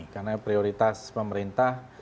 karena prioritas pemerintah